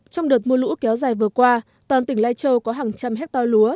trong đợt mưa lũ kéo dài vừa qua toàn tỉnh lai châu có hàng trăm hectare lúa